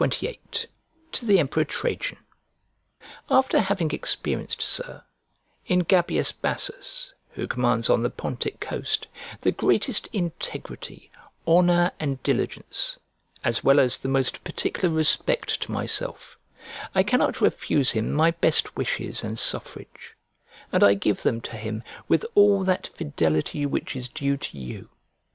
XXVIII To THE EMPEROR TRAJAN AFTER having experienced, Sir, in Gabius Bassus, who commands on the Pontic coast, the greatest integrity, honour, and diligence, as well as the most particular respect to myself, I cannot refuse him my best wishes and suffrage; and I give them to him with all that fidelity which is due to you.